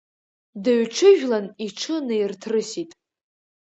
Дыҩҽыжәлан, иҽы наирҭрысит.